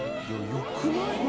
よくない？